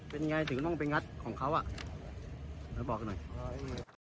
เป็นไงถึงต้องไปงัดของเขาอ่ะเดี๋ยวบอกกันหน่อย